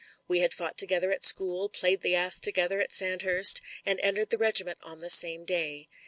We had fought together at school, played the ass together at Sandhurst, and entered the regiment on the same day.